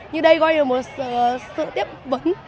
như đây gọi là một sự tiếp vững